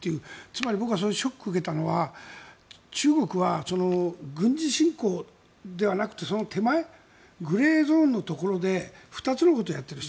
つまり僕はショックを受けたのは中国は軍事侵攻ではなくてその手前グレーゾーンのところで２つのことをやっている。